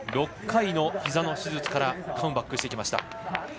６回のひざの手術からカムバックしてきました。